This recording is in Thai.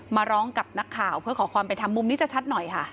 มาร้องกับนักข่าวเพื่อขอความเป็นธรรมมุมนี้จะชัดหน่อยค่ะ